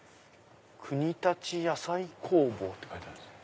「くにたち野菜工房」って書いてあるんすよ。